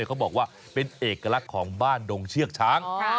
เขาบอกว่าเป็นเอกลักษณ์ของบ้านดงเชือกช้าง